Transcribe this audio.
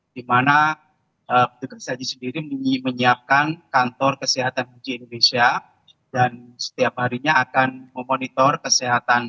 di mana petugas haji sendiri menyiapkan kantor kesehatan haji indonesia dan setiap harinya akan memonitor kesehatan